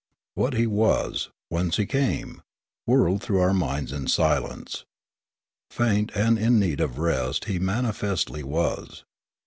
What he was, whence he came, whirled through our minds in silence. Faint and in need of rest he manifestly was.